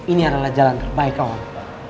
ini adalah jalan terbaik kawan